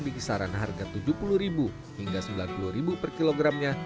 di kisaran harga rp tujuh puluh hingga rp sembilan puluh per kilogramnya